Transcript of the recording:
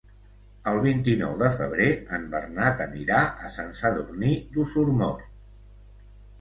El vint-i-nou de febrer en Bernat anirà a Sant Sadurní d'Osormort.